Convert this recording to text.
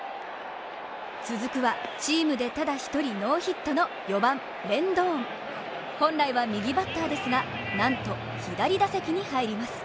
続くはチームでただ一人ノーヒットの４番レンドン本来は右バッターですが、なんと左打席に入ります。